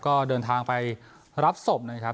ก็เดินทางไปรับศพนะครับ